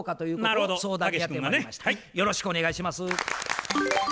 よろしくお願いします。